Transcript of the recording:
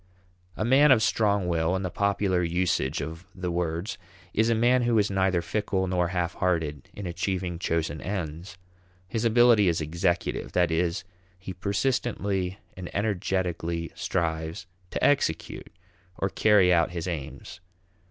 A man of strong will, in the popular usage of the words, is a man who is neither fickle nor half hearted in achieving chosen ends. His ability is executive; that is, he persistently and energetically strives to execute or carry out his aims.